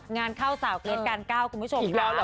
งานเข้าสาวเกรดการเก้าคุณผู้ชมค่ะ